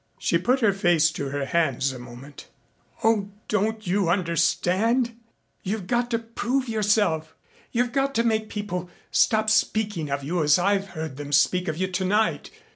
She put her face to her hands a moment. "Oh, don't you understand? You've got to prove yourself. You've got to make people stop speaking of you as I've heard them speak of you tonight.